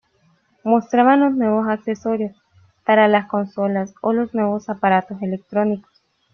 Mostraban los nuevos accesorios para las consolas o los nuevos aparatos electrónicos.